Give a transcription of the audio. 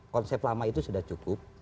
konsep lama itu sudah cukup